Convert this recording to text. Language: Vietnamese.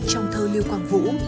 trong thơ lưu quang vũ